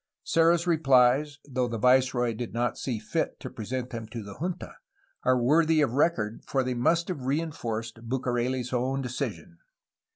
Serra's repUes, though the viceroy did not see fit to present them to the junta J are worthy of record, for they must have reinforced Bucareli's own decision.